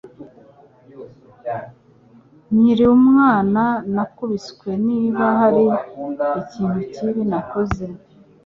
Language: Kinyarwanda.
Nkiri umwana, nakubiswe niba hari ikintu kibi nakoze.